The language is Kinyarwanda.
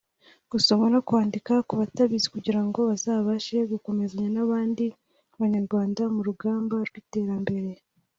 gusoma no kwandika ku batabizi kugirango bazabashe gukomezanya n’abandi Banyarwanda mu rugamba rw’iterambere